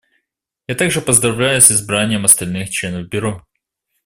Я также поздравляю с избранием остальных членов Бюро.